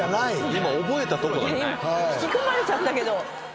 今引き込まれちゃったけど。